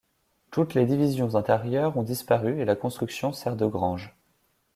Toutes les divisions intérieures ont disparu et la construction sert de grange.